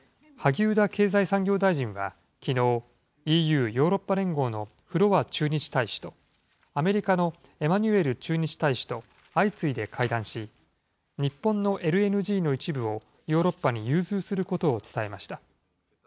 萩生田経済産業大臣はきのう、ＥＵ・ヨーロッパ連合のフロア駐日大使と、アメリカのエマニュエル駐日大使と相次いで会談し、日本のＬＮＧの一部をヨーロッパに融通することを伝えました。